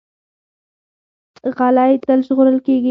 غلی، تل ژغورل کېږي.